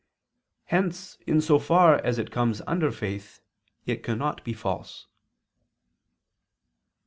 Hence in so far as it comes under faith, it cannot be false.